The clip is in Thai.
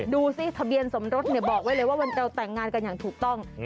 ดูสิทะเบียนสมรสบอกไว้เลยว่าวันเราแต่งงานกันอย่างถูกต้อง